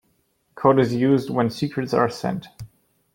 Code is used when secrets are sent.